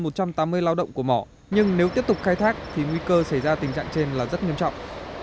một tháng tôi làm khoảng tám mươi lao động của mỏ nhưng nếu tiếp tục khai thác thì nguy cơ xảy ra tình trạng trên là rất nghiêm trọng